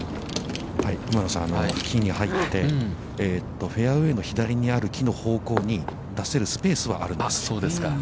◆馬野さん、木に入って、フェアウェイの左にある木の方向に出せるスペースはあるんです。